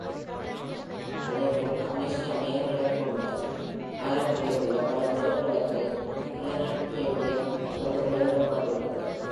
அதேபோல், கம்யூனிச மேயர்களைக் கொண்ட நகரங்களில் உள்ள பல தெருக்களுக்கு "Colonel Fabien" என்று பெயரிடப்பட்டுள்ளது.